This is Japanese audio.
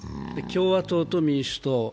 共和党と民主党。